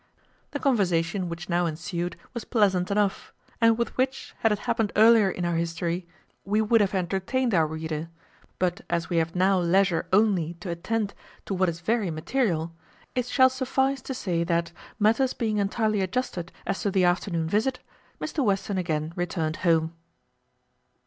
The conversation which now ensued was pleasant enough; and with which, had it happened earlier in our history, we would have entertained our reader; but as we have now leisure only to attend to what is very material, it shall suffice to say that matters being entirely adjusted as to the afternoon visit Mr Western again returned home.